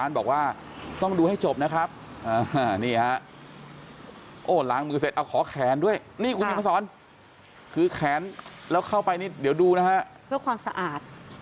ล้างมือเสร็จเอาขอแขนด้วยนี่คุณนี่มาสอนคือแขนแล้วเข้าไปนี่เดี๋ยวดูนะฮะเพื่อความสะอาด